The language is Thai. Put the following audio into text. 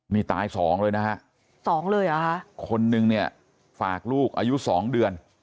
มีตาย๒เลยนะครับ๒เลยหรอคนหนึ่งเนี่ยฝากลูกอายุ๒เดือน